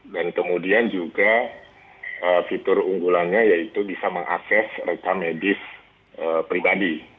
dan kemudian juga fitur unggulannya yaitu bisa mengakses reka medis pribadi